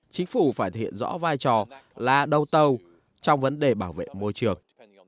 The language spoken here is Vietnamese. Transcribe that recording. chính phủ phải thể hiện rõ vai trò là đầu tàu trong vấn đề bảo vệ môi trường